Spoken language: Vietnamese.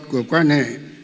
của quan hệ